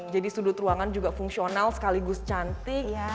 jadi sudut ruangan juga fungsional sekaligus cantik